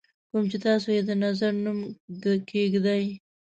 کوم چې تاسو یې د نظر نوم ږدئ.